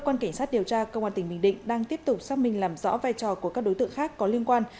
cơ quan cảnh sát điều tra công an tỉnh bình định đang tiếp tục xác minh làm rõ vai trò của các đối tượng khác có liên quan